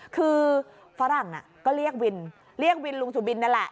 คือฝรั่งก็เรียกวินเรียกวินลุงสุบินนั่นแหละ